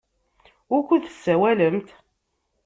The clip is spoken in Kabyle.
Wukud tessawalemt?